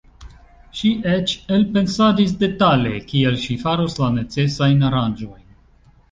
Ŝi eĉ elpensadis detale kiel ŝi faros la necesajn aranĝojn.